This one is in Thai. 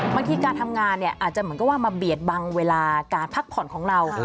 บางทีการทำงานเนี่ยอาจจะเหมือนกับว่ามาเบียดบังเวลาการพักผ่อนของเรา